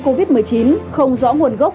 covid một mươi chín không rõ nguồn gốc